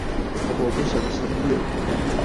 我不想吃音樂果